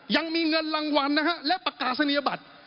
ยังมีเงินรางวัลนะฮะและประกาศนียบัตร